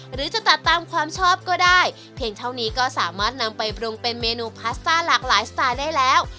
หรือจะตัดตามความชอบก็ได้เพียงเท่านี้ก็สามารถนำไปปรุงเป็นเมนูพาสต้าหลากหลายสไตล์ได้แล้ว